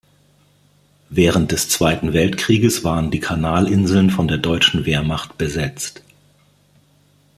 Während des Zweiten Weltkrieges waren die Kanalinseln von der deutschen Wehrmacht besetzt.